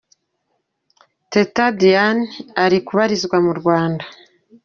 Teta Diana ari kubarizwa mu Rwanda.